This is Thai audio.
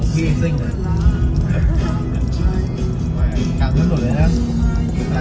ที่นี่เป็นไหนหรอนะ